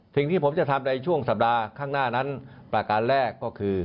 สิ่งที่ผมจะทำในช่วงสัปดาห์ข้างหน้านั้นประการแรกก็คือ